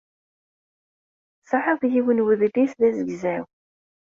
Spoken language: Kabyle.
Tesɛiḍ yiwen n wedlis d azegzaw.